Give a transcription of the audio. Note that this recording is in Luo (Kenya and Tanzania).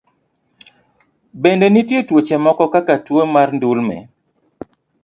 Bende, nitie tuoche moko kaka tuo mar ndulme.